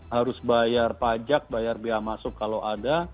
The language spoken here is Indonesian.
harus bayar pajak bayar biaya masuk kalau ada